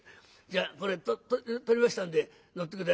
じゃあこれ取りましたんで乗って下さい」。